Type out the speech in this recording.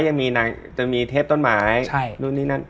นี่แหละที่ผมออกมา